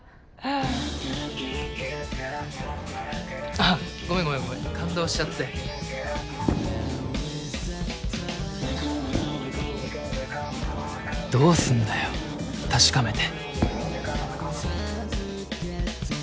あぁごめんごめんごめん感どうすんだよ確かめて。